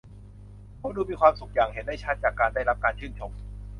เขาดูมีความสุขอย่างเห็นได้ชัดจากการได้รับการชื่นชม